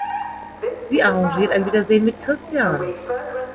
Sie arrangiert ein Wiedersehen mit Christian.